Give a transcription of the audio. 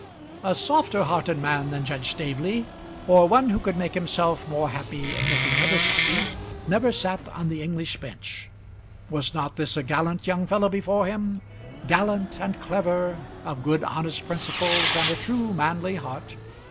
A softer hearted man than Judge Staveley, or one who could make himself more happy in making others happy, never sat on the English bench. Was not this a gallant young fellow before him, gallant and clever, of good honest principles, and a true manly heart?